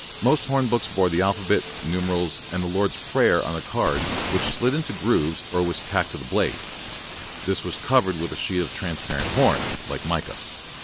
Host horn books bore the alphabet, numerals, and the Lord's Prayer on a card which slid into grooves or was tacked to the blade. This was covered with a sheet of transparent horn, like mica.